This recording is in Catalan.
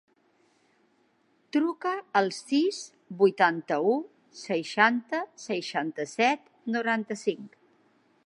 Truca al sis, vuitanta-u, seixanta, seixanta-set, noranta-cinc.